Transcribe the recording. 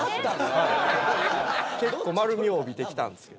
結構丸みを帯びてきたんですよ。